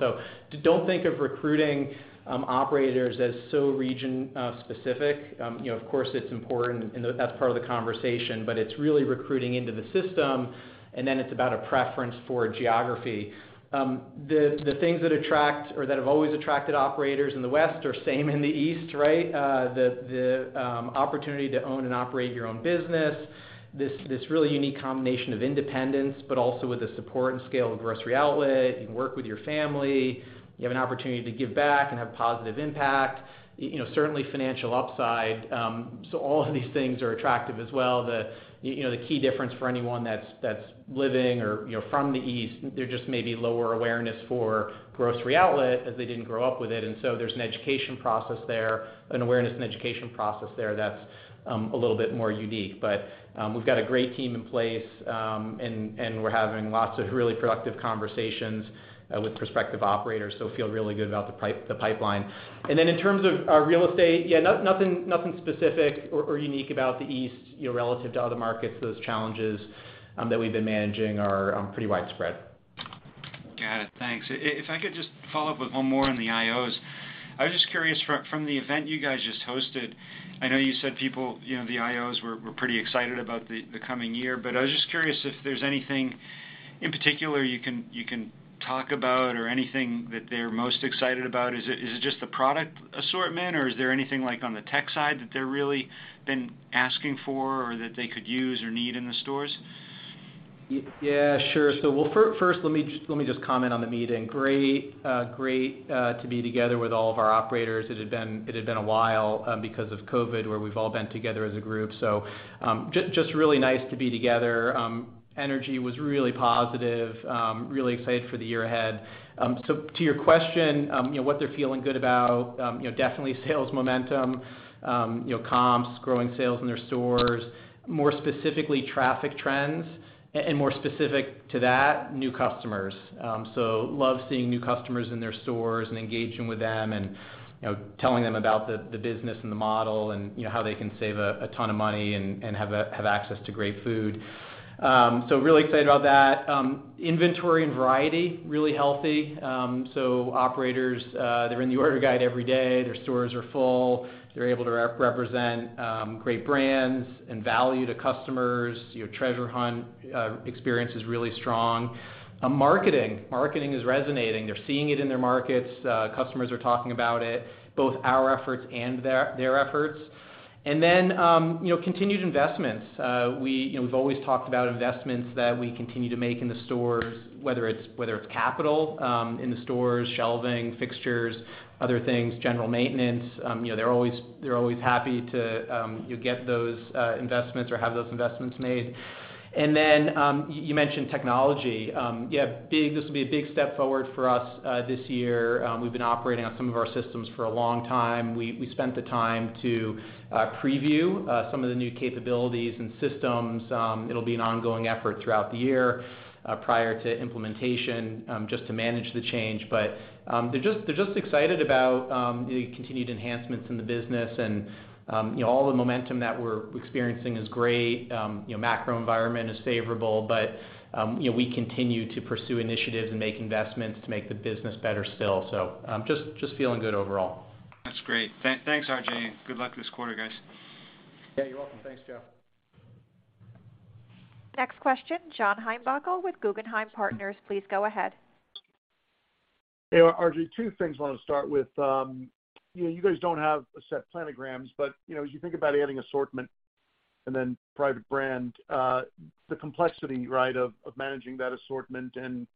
Don't think of recruiting operators as so region specific. You know, of course, it's important and that's part of the conversation, but it's really recruiting into the system, and then it's about a preference for geography. The things that attract or that have always attracted operators in the West are same in the East, right? The opportunity to own and operate your own business. This really unique combination of independence, but also with the support and scale of Grocery Outlet. You can work with your family. You have an opportunity to give back and have positive impact. You know, certainly financial upside. All of these things are attractive as well. The, you know, the key difference for anyone that's living or, you know, from the East, there just may be lower awareness for Grocery Outlet as they didn't grow up with it. There's an education process there, an awareness and education process there that's a little bit more unique. We've got a great team in place, and we're having lots of really productive conversations with prospective operators, so feel really good about the pipeline. In terms of our real estate, yeah, nothing specific or unique about the East, you know, relative to other markets. Those challenges that we've been managing are pretty widespread. Yeah. Thanks. If I could just follow up with 1 more on the IOs. I was just curious from the event you guys just hosted, I know you said people, you know, the IOs were pretty excited about the coming year, I was just curious if there's anything in particular you can talk about or anything that they're most excited about. Is it just the product assortment, or is there anything like on the tech side that they're really been asking for or that they could use or need in the stores? Yeah, sure. Well, first, let me just comment on the meeting. Great, great to be together with all of our operators. It had been a while because of COVID, where we've all been together as a group. Just really nice to be together. Energy was really positive, really excited for the year ahead. To your question, you know, what they're feeling good about, you know, definitely sales momentum, you know, comps, growing sales in their stores, more specifically traffic trends and more specific to that, new customers. Love seeing new customers in their stores and engaging with them and, you know, telling them about the business and the model and you know, how they can save a ton of money and have access to great food. Really excited about that. Inventory and variety, really healthy. Operators, they're in the order guide every day. Their stores are full. They're able to represent great brands and value to customers. You know, Treasure Hunt experience is really strong. Marketing. Marketing is resonating. They're seeing it in their markets. Customers are talking about it, both our efforts and their efforts. You know, continued investments. We, you know, we've always talked about investments that we continue to make in the stores, whether it's capital in the stores, shelving, fixtures, other things, general maintenance. You know, they're always happy to get those investments or have those investments made. Then, you mentioned technology. Yeah, this will be a big step forward for us this year. We spent the time to preview some of the new capabilities and systems. It'll be an ongoing effort throughout the year, prior to implementation, just to manage the change. They're just excited about the continued enhancements in the business and, you know, all the momentum that we're experiencing is great. You know, macro environment is favorable, but, you know, we continue to pursue initiatives and make investments to make the business better still. Just feeling good overall. That's great. Thanks, RJ. Good luck this quarter, guys. Yeah, you're welcome. Thanks, Joe. Next question, John Heinbockel with Guggenheim Partners. Please go ahead. Hey, RJ, two things I wanna start with. You know, you guys don't have set planograms, but, you know, as you think about adding assortment and then private brand, the complexity, right, of managing that assortment and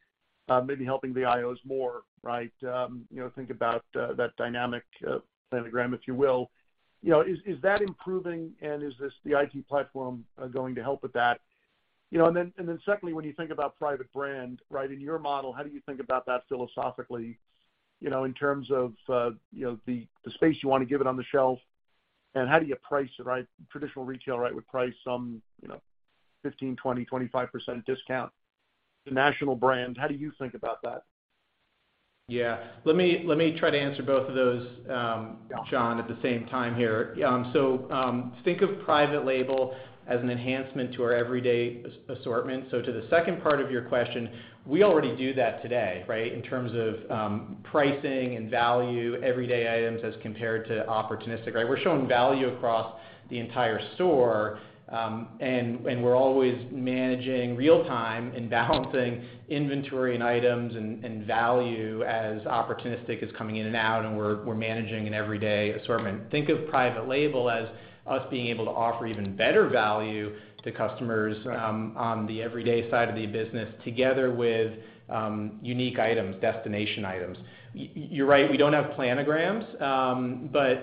maybe helping the IOs more, right, you know, think about that dynamic, planogram, if you will. You know, is that improving, and is this the IT platform going to help with that? You know, secondly, when you think about private brand, right? In your model, how do you think about that philosophically, you know, in terms of, you know, the space you wanna give it on the shelf, and how do you price it, right? Traditional retail, right, would price some, you know, 15%, 20%, 25% discount to national brands. How do you think about that? Yeah. Let me try to answer both of those. Yeah... John, at the same time here. Think of private label as an enhancement to our everyday assortment. To the second part of your question, we already do that today, right? In terms of pricing and value, everyday items as compared to opportunistic, right? We're showing value across the entire store, and we're always managing real time and balancing inventory and items and value as opportunistic is coming in and out, and we're managing an everyday assortment. Think of private label as us being able to offer even better value to customers on the everyday side of the business together with unique items, destination items. You're right, we don't have planograms.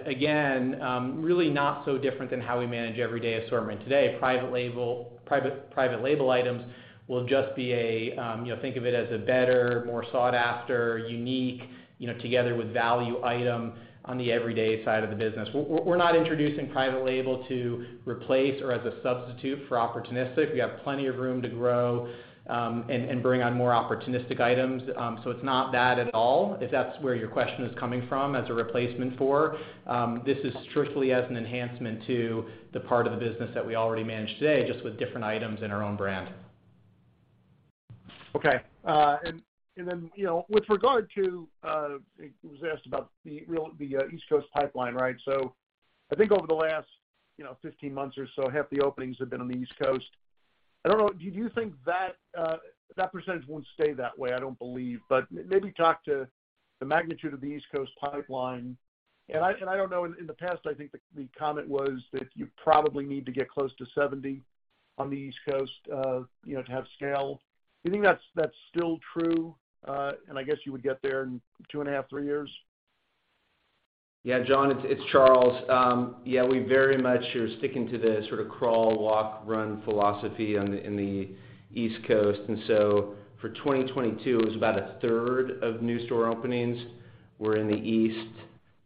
Again, really not so different than how we manage everyday assortment today. Private label items will just be a, you know, think of it as a better, more sought-after, unique, you know, together with value item on the everyday side of the business. We're not introducing private label to replace or as a substitute for opportunistic. We have plenty of room to grow and bring on more opportunistic items. It's not that at all, if that's where your question is coming from as a replacement for. This is strictly as an enhancement to the part of the business that we already manage today, just with different items in our own brand. Okay. Then, you know, with regard to, it was asked about the East Coast pipeline, right? I think over the last, you know, 15 months or so, half the openings have been on the East Coast. I don't know, do you think that percentage won't stay that way, I don't believe? Maybe talk to the magnitude of the East Coast pipeline. I don't know, in the past, I think the comment was that you probably need to get close to 70 on the East Coast, you know, to have scale. Do you think that's still true? I guess you would get there in two and a half, three years. Yeah. John, it's Charles. Yeah, we very much are sticking to the sort of crawl, walk, run philosophy in the East Coast. For 2022, it was about a third of new store openings were in the East.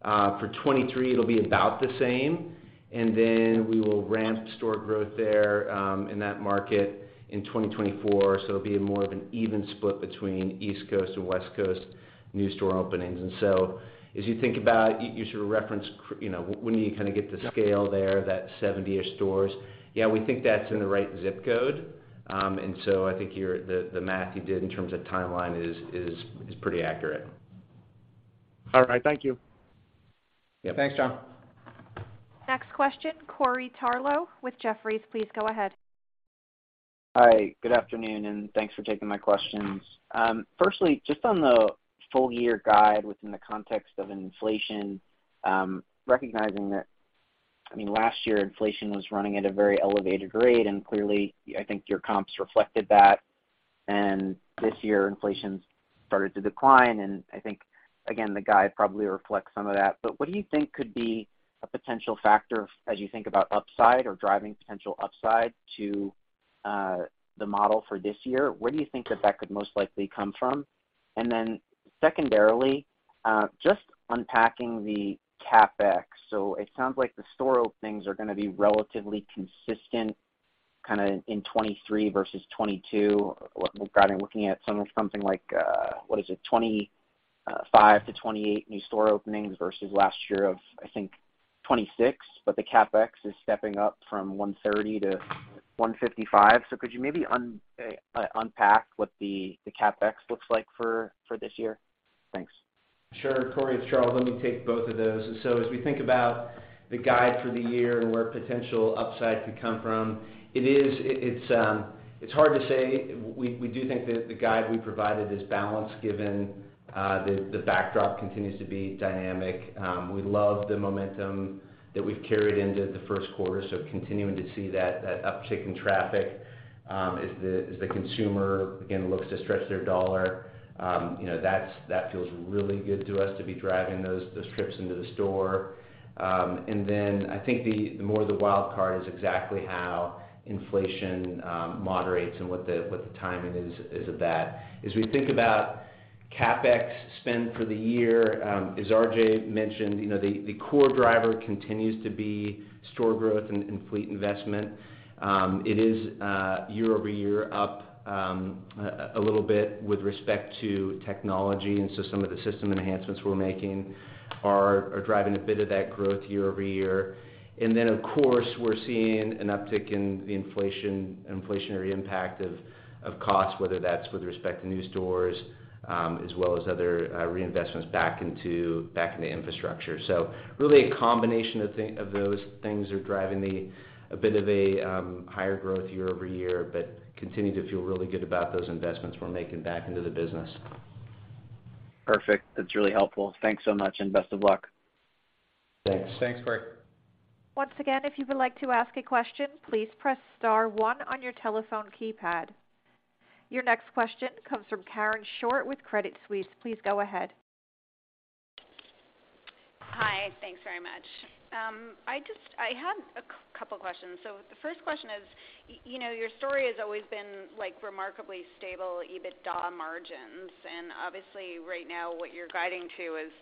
For 2023 it'll be about the same. Then we will ramp store growth there in that market in 2024. It'll be more of an even split between East Coast and West Coast new store openings. As you think about, you sort of referenced, you know, when do you kinda get to scale there, that 70-ish stores? Yeah, we think that's in the right ZIP code. I think your the math you did in terms of timeline is pretty accurate. All right. Thank you. Yeah, thanks, John. Next question, Corey Tarlowe with Jefferies. Please go ahead. Hi, good afternoon, and thanks for taking my questions. Firstly, just on the full year guide within the context of inflation, recognizing that, I mean, last year inflation was running at a very elevated rate, clearly, I think your comps reflected that. This year, inflation started to decline, and I think again, the guide probably reflects some of that. What do you think could be a potential factor as you think about upside or driving potential upside to the model for this year? Where do you think that that could most likely come from? Secondarily, just unpacking the CapEx. It sounds like the store openings are gonna be relatively consistent, kinda in 23 versus 22. What we're kinda looking at something like what is it? 25-28 new store openings versus last year of, I think, 26. The CapEx is stepping up from $130 to $155. Could you maybe unpack what the CapEx looks like for this year? Thanks. Sure, Corey, it's Charles. Let me take both of those. As we think about the guide for the year and where potential upside could come from, it's hard to say. We do think that the guide we provided is balanced given the backdrop continues to be dynamic. We love the momentum that we've carried into the Q1, so continuing to see that uptick in traffic as the consumer again looks to stretch their dollar. You know, that feels really good to us to be driving those trips into the store. I think the more the wild card is exactly how inflation moderates and what the timing is of that. As we think about CapEx spend for the year, as RJ mentioned, you know, the core driver continues to be store growth and fleet investment. It is quarter-over-quarter up a little bit with respect to technology. Some of the system enhancements we're making are driving a bit of that growth quarter-over-quarter. Of course, we're seeing an uptick in the inflationary impact of costs, whether that's with respect to new stores, as well as other reinvestments back into infrastructure. Really a combination of those things are driving the a bit of a higher growth quarter-over-quarter, but continue to feel really good about those investments we're making back into the business. Perfect. That's really helpful. Thanks so much, and best of luck. Thanks. Thanks, Corey. Once again, if you would like to ask a question, please press star one on your telephone keypad. Your next question comes from Karen Short with Credit Suisse. Please go ahead. Hi. Thanks very much. I had a couple questions. The first question is, you know, your story has always been, like, remarkably stable EBITDA margins. Obviously right now what you're guiding to is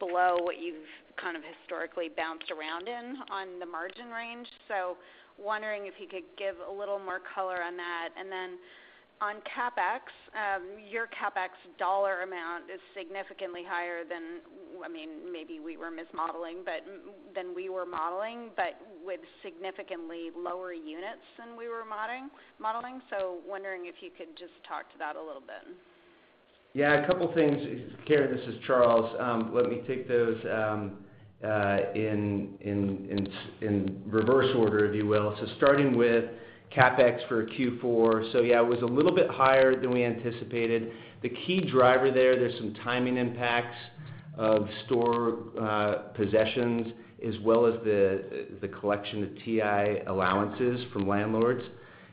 below what you've kind of historically bounced around in on the margin range. Wondering if you could give a little more color on that. Then on CapEx, your CapEx dollar amount is significantly higher than, I mean, maybe we were mismodeling, but than we were modeling, but with significantly lower units than we were modeling. Wondering if you could just talk to that a little bit. Yeah, a couple things. Karen, this is Charles. Let me take those in reverse order, if you will. Starting with CapEx for Q4. Yeah, it was a little bit higher than we anticipated. The key driver there's some timing impacts of store possessions as well as the collection of TI allowances from landlords.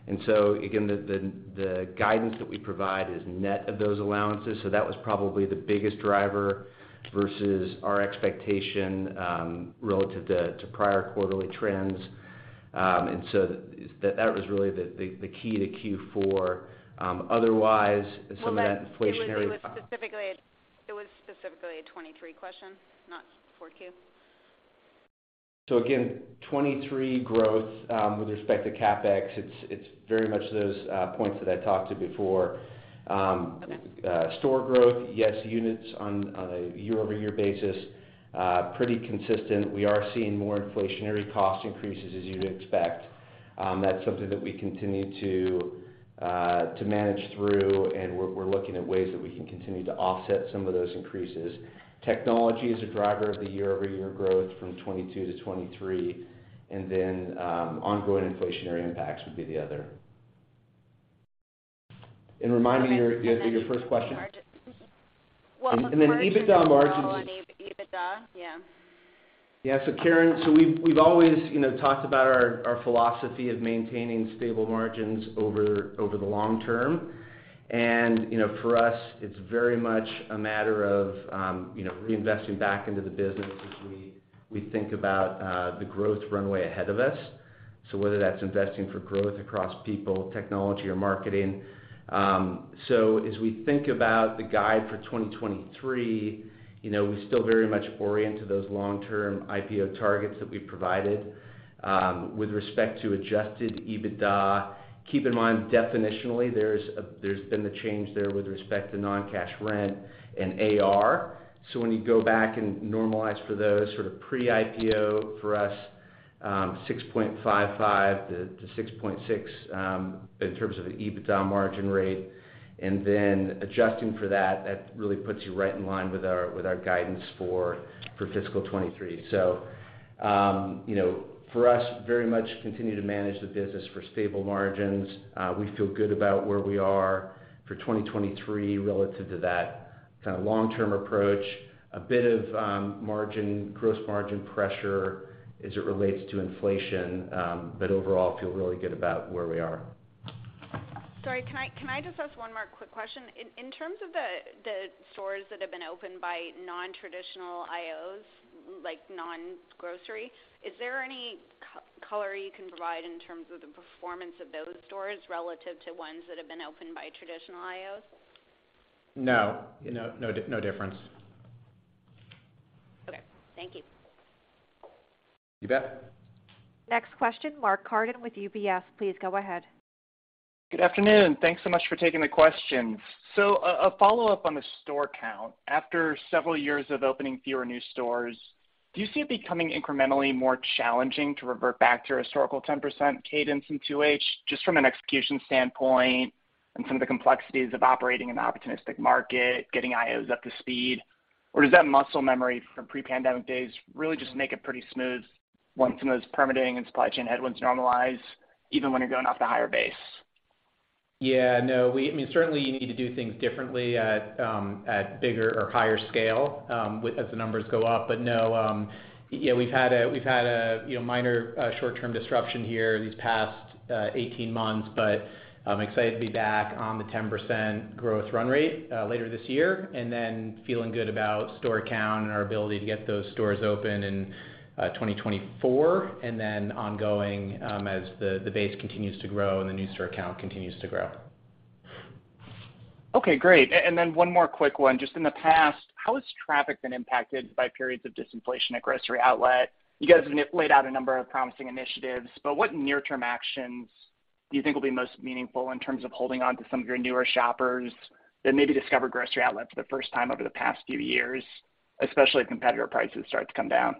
Again, the guidance that we provide is net of those allowances. That was probably the biggest driver versus our expectation, relative to prior quarterly trends. That was really the key to Q4. Otherwise, some of that inflationary- It was specifically a 23 question, not 4Q. Again, 23 growth, with respect to CapEx, it's very much those points that I talked to before. Store growth, yes, units on a quarter-over-quarter basis, pretty consistent. We are seeing more inflationary cost increases as you'd expect. That's something that we continue to manage through, and we're looking at ways that we can continue to offset some of those increases. Technology is a driver of the quarter-over-quarter growth from 2022 to 2023, ongoing inflationary impacts would be the other. Remind me your first question. Well, what margins look like on EBITDA, yeah. Yeah. Karen, we've always, you know, talked about our philosophy of maintaining stable margins over the long term. You know, for us, it's very much a matter of, you know, reinvesting back into the business as we think about the growth runway ahead of us. Whether that's investing for growth across people, technology or marketing. As we think about the guide for 2023, you know, we still very much orient to those long-term IPO targets that we provided. With respect to adjusted EBITDA, keep in mind definitionally, there's been the change there with respect to non-cash rent and AR. When you go back and normalize for those sort of pre-IPO for us, 6.55% to 6.6% in terms of the EBITDA margin rate, and then adjusting for that really puts you right in line with our guidance for fiscal 23. You know, for us, very much continue to manage the business for stable margins. We feel good about where we are for 2023 relative to that. Kind of long-term approach, a bit of, margin, gross margin pressure as it relates to inflation, but overall feel really good about where we are. Sorry, can I just ask one more quick question? In terms of the stores that have been opened by non-traditional IOs, like non-grocery, is there any color you can provide in terms of the performance of those stores relative to ones that have been opened by traditional IOs? No. No difference. Okay. Thank you. You bet. Next question, Mark Carden with UBS. Please go ahead. Good afternoon. Thanks so much for taking the questions. A follow-up on the store count, after several years of opening fewer new stores, do you see it becoming incrementally more challenging to revert back to your historical 10% cadence in 2H, just from an execution standpoint and some of the complexities of operating an opportunistic market, getting IOs up to speed? Or does that muscle memory from pre-pandemic days really just make it pretty smooth once some of those permitting and supply chain headwinds normalize, even when you're going off the higher base? Yeah, no. I mean, certainly you need to do things differently at bigger or higher scale as the numbers go up. No, yeah, we've had a, we've had a, you know, minor, short-term disruption here these past 18 months. I'm excited to be back on the 10% growth run rate later this year, feeling good about store count and our ability to get those stores open in 2024, ongoing as the base continues to grow and the new store count continues to grow. Okay, great. One more quick one. Just in the past, how has traffic been impacted by periods of disinflation at Grocery Outlet? You guys have laid out a number of promising initiatives, but what near-term actions do you think will be most meaningful in terms of holding onto some of your newer shoppers that maybe discovered Grocery Outlet for the first time over the past few years, especially if competitor prices start to come down?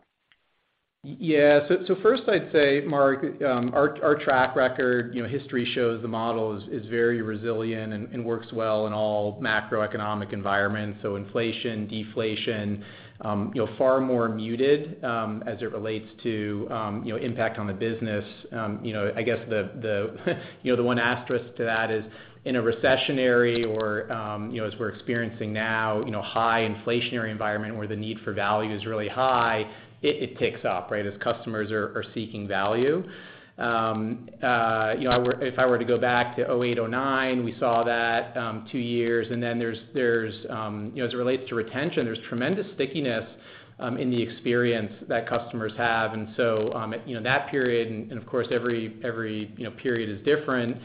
First I'd say, Mark, our track record, you know, history shows the model is very resilient and works well in all macroeconomic environments. Inflation, deflation, you know, far more muted as it relates to, you know, impact on the business. You know, I guess the one asterisk to that is in a recessionary or, you know, as we're experiencing now, you know, high inflationary environment where the need for value is really high, it ticks up, right? As customers are seeking value. You know, if I were to go back to 2008, 2009, we saw that two years. There's, you know, as it relates to retention, there's tremendous stickiness in the experience that customers have. You know, that period and of course every, you know, period is different,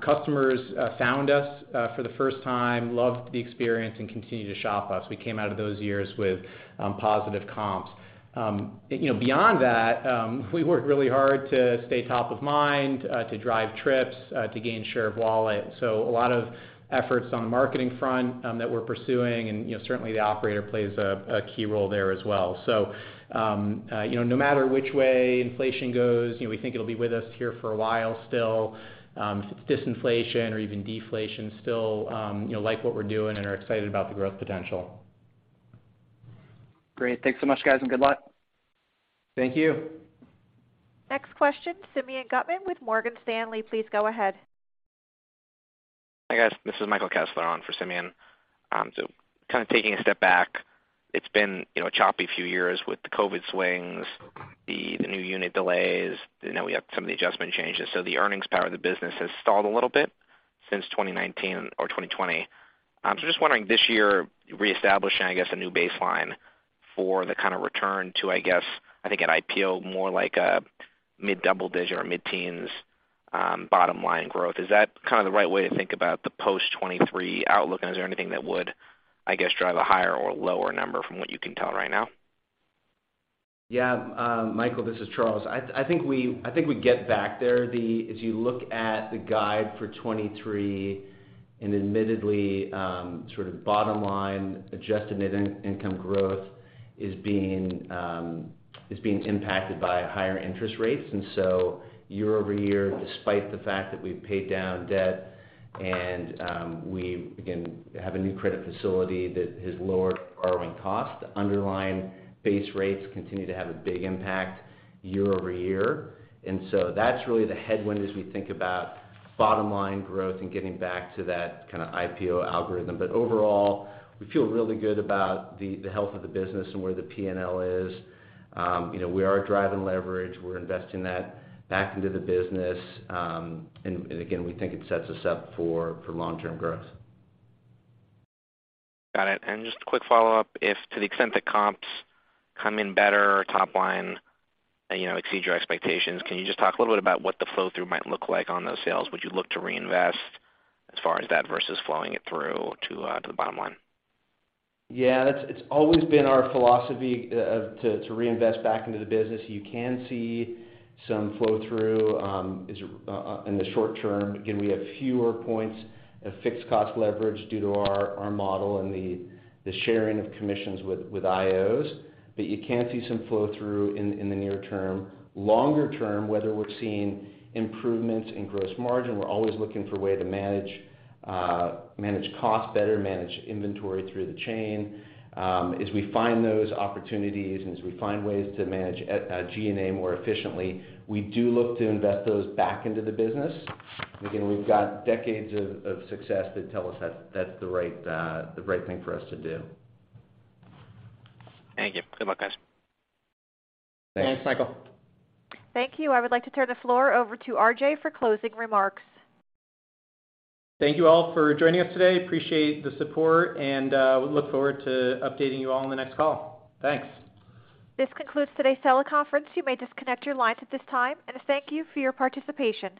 customers found us for the first time, loved the experience, and continue to shop us. We came out of those years with positive comps. You know, beyond that, we worked really hard to stay top of mind, to drive trips, to gain share of wallet. A lot of efforts on the marketing front, that we're pursuing and, you know, certainly the Independent Operator plays a key role there as well. You know, no matter which way inflation goes, you know, we think it'll be with us here for a while still. If it's disinflation or even deflation still, you know, like what we're doing and are excited about the growth potential. Great. Thanks so much, guys, and good luck. Thank you. Next question, Simeon Gutman with Morgan Stanley. Please go ahead. Hi, guys. This is Michael Kessler on for Simeon. Kind of taking a step back, it's been, you know, a choppy few years with the COVID swings, the new unit delays, you know, we have some of the adjustment changes. The earnings power of the business has stalled a little bit since 2019 or 2020. Just wondering this year, reestablishing, I guess, a new baseline for the kind of return to, I guess, I think at IPO, more like a mid-double digit or mid-teens, bottom line growth. Is that kind of the right way to think about the post 2023 outlook? Is there anything that would, I guess, drive a higher or lower number from what you can tell right now? Yeah. Michael, this is Charles. I think we get back there. If you look at the guide for 2023, admittedly, sort of bottom line adjusted net income growth is being impacted by higher interest rates. quarter-over-quarter, despite the fact that we've paid down debt and we again have a new credit facility that has lowered borrowing costs, underlying base rates continue to have a big impact quarter-over-quarter. That's really the headwind as we think about bottom line growth and getting back to that kind of IPO algorithm. Overall, we feel really good about the health of the business and where the P&L is. You know, we are driving leverage. We're investing that back into the business. Again, we think it sets us up for long-term growth. Got it. Just a quick follow-up. If to the extent that comps come in better top line, you know, exceed your expectations, can you just talk a little bit about what the flow through might look like on those sales? Would you look to reinvest as far as that versus flowing it through to the bottom line? It's always been our philosophy to reinvest back into the business. You can see some flow through is in the short term. Again, we have fewer points of fixed cost leverage due to our model and the sharing of commissions with IOs. You can see some flow through in the near term. Longer term, whether we're seeing improvements in gross margin, we're always looking for a way to manage costs better, manage inventory through the chain. As we find those opportunities and as we find ways to manage G&A more efficiently, we do look to invest those back into the business. Again, we've got decades of success that tell us that's the right the right thing for us to do. Thank you. Good luck, guys. Thanks. Thanks, Michael. Thank you. I would like to turn the floor over to RJ for closing remarks. Thank you all for joining us today. Appreciate the support and we look forward to updating you all on the next call. Thanks. This concludes today's teleconference. You may disconnect your lines at this time. Thank you for your participation.